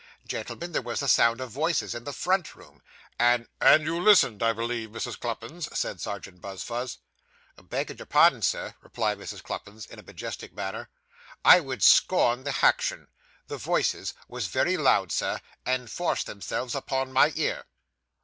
Gentlemen, there was the sound of voices in the front room, and ' 'And you listened, I believe, Mrs. Cluppins?' said Serjeant Buzfuz. 'Beggin' your pardon, Sir,' replied Mrs. Cluppins, in a majestic manner, 'I would scorn the haction. The voices was very loud, Sir, and forced themselves upon my ear.